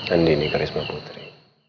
andini karisma putri